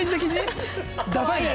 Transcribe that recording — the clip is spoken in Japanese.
ダサいね。